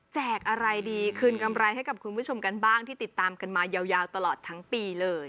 อะไรดีคืนกำไรให้กับคุณผู้ชมกันบ้างที่ติดตามกันมายาวตลอดทั้งปีเลย